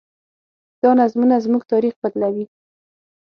دا نظمونه زموږ تاریخ بدلوي.